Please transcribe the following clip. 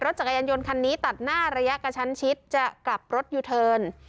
จักรยานยนต์คันนี้ตัดหน้าระยะกระชั้นชิดจะกลับรถยูเทิร์น